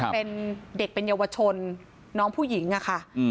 เป็นเด็กเป็นเยาวชนน้องผู้หญิงอะค่ะ